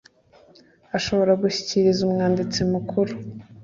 ashobora gushyikiriza Umwanditsi Mukuru